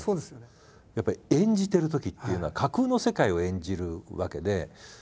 やっぱり演じてるときっていうのは架空の世界を演じるわけで。